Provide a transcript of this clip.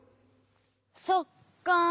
そっか。